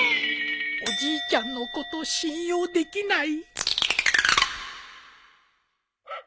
おじいちゃんのこと信用できない！？